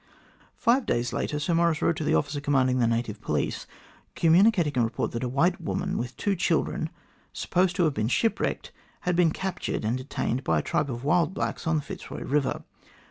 Five days later Sir Maurice wrote to the officer command ing the native police, communicating a report that a white woman with two children, supposed to have been shipwrecked, had been captured and detained by a tribe of wild blacks on the Fitzroy Kiver.